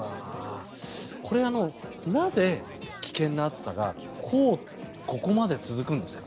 これ、なぜ危険な暑さがここまで続くんですか？